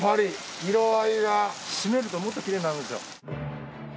しめるともっときれいになるんですよ。